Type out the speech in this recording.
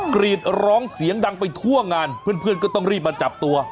กรีดร้องเสียงดังไปทั่วงานเพื่อนก็ต้องรีบมาจับตัว